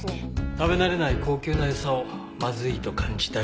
食べ慣れない高級なエサをまずいと感じた理由も。